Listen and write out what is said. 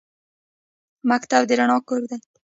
مکتب د رڼا کور دی